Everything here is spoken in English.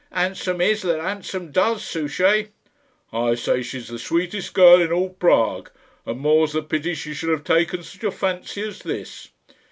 "Handsome is that handsome does, Souchey." "I say she's the sweetest girl in all Prague; and more's the pity she should have taken such a fancy as this."